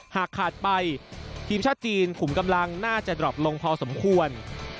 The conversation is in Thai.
หากขาดไปทีมชาติจีนขุมกำลังน่าจะดรอปลงพอสมควร